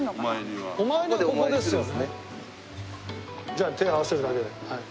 じゃあ手合わせるだけではい。